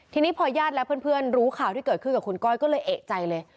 ทีนี้พอญาติและเพื่อนรู้ข่าวที่เกิดขึ้นกับคุณก้อยก็เลยเอกใจเลย